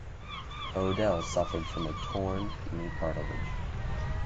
O'Dell suffered from a torn knee cartilage.